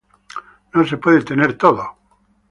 No se puede tener todo.